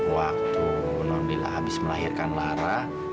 waktu alhamdulillah habis melahirkan lara